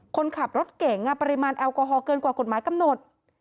คนขับรถเก่งปริมาณแอลกอฮอลเกินกว่ากฎหมายกำหนด